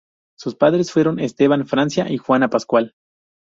Sus padres fueron Esteban Francia y Juana Pascual.